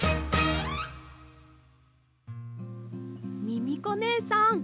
ミミコねえさん。